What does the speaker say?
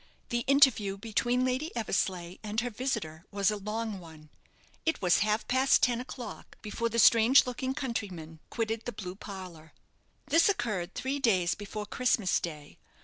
The interview between Lady Eversleigh and her visitor was a long one. It was half past ten o'clock before the strange looking countryman quitted the blue parlour. This occurred three days before Christmas day.